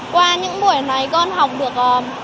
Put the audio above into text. qua những buổi này con học được